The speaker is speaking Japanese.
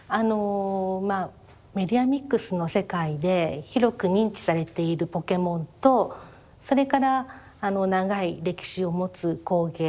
メディアミックスの世界で広く認知されているポケモンとそれから長い歴史を持つ工芸